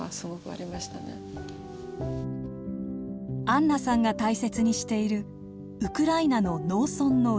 アンナさんが大切にしているウクライナの農村の絵。